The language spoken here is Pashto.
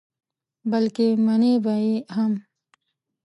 بلکې منې به یې هم.